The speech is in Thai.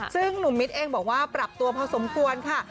ซึ่งหนุ่มมิตรเองบอกว่าปรับตัวพอสมควรค่ะ